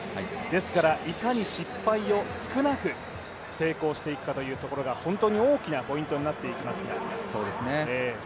ですからいかに失敗を少なく成功していくかというところが本当に大きなポイントになっていきます。